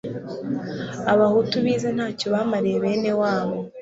abahutu bize ntacyo bamariye benewabo